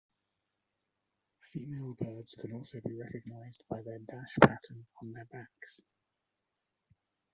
Female birds can also be recognised by their dash pattern on their backs.